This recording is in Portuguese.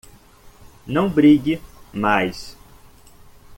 Não brigue mais